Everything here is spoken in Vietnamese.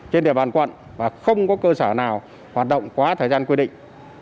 trên địa bàn quận và không có cơ sở nào hoạt động quá thời gian quy định